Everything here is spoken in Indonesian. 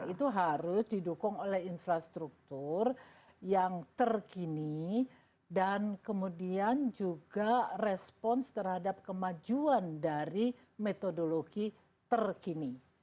itu harus didukung oleh infrastruktur yang terkini dan kemudian juga respons terhadap kemajuan dari metodologi terkini